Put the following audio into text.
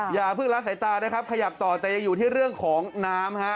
อย่าเพิ่งละสายตานะครับขยับต่อแต่ยังอยู่ที่เรื่องของน้ำฮะ